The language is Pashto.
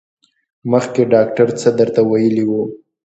مخکې ډاکټر څه درته ویلي وو؟